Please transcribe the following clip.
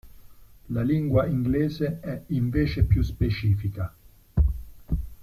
La lingua inglese è invece più specifica.